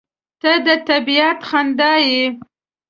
• ته د طبیعت خندا یې.